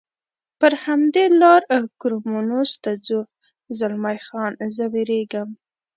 پر همدې لار کورمونز ته ځو، زلمی خان: زه وېرېږم.